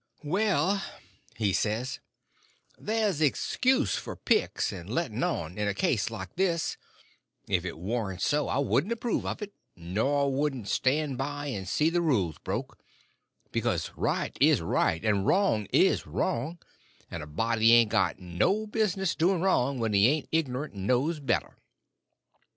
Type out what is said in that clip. "Well," he says, "there's excuse for picks and letting on in a case like this; if it warn't so, I wouldn't approve of it, nor I wouldn't stand by and see the rules broke—because right is right, and wrong is wrong, and a body ain't got no business doing wrong when he ain't ignorant and knows better.